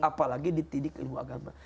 apalagi ditidik ilmu agama